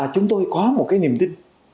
chúng tôi có một cái niềm tin